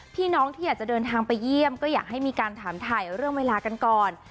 พี่น้องที่อยากจะเดินทางไปเยี่ยมก็อยากให้มีการถามถ่ายเรื่องเวลากันก่อน